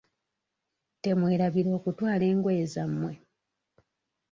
Temwerabira okutwala engoye za mmwe.